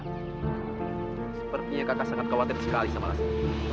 ya sepertinya kakak sangat khawatir sekali sama lastri